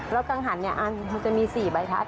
แล้วกางหันเนี่ยอันนี้มันจะมี๔ใบทัศน์